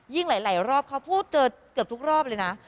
หลายรอบเขาพูดเจอเกือบทุกรอบเลยนะ